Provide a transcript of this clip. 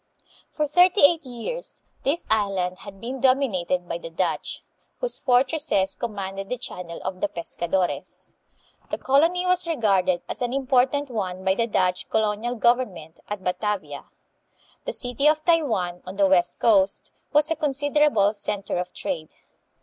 For thirty eight years this island had been dominated by the Dutch, whose fortresses commanded the channel of the Pescadores. The colony was regarded as an impor tant one by the Dutch colonial government at Batavia. The city of Tai wan, on the west coast, was a con siderable center of trade.